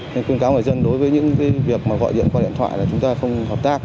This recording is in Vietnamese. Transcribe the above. nên khuyên cáo người dân đối với những cái việc mà gọi điện qua điện thoại là chúng ta không hợp tác